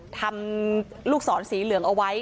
ทำลูกศรสีเหลืองเอาไว้